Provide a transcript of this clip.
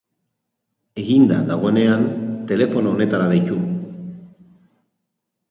Eginda dagoenean, telefono honetara deitu.